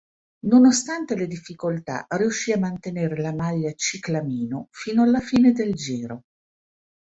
Nonostante le difficoltà, riuscì a mantenere la maglia ciclamino fino alla fine del Giro.